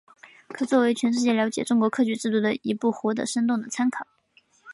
可作为全世界了解中国科举制度的一部活的生动的参考。